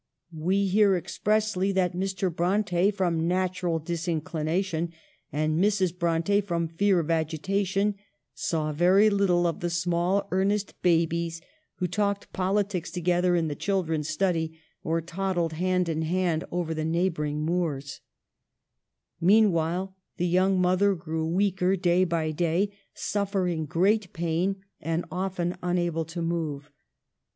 We hear expressly that Mr. Bronte, from natural disinclination, and Mrs. Bronte, from fear of agitation, saw very little of the small earnest babies who talked politics together in the " chil dren's study," or toddled hand in hand over the neighboring moors, Meanwhile the young mother grew weaker day by day, suffering great pain and often un able to move.